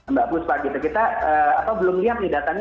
mbak buspa kita belum lihat nih datanya